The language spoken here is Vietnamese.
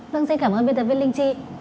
vâng xin cảm ơn biên tập viên linh trị